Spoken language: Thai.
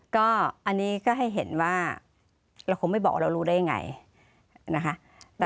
ก็อันนี้ก็ให้เห็นว่าเราคงไม่บอกเรารู้ได้ยังไงนะคะ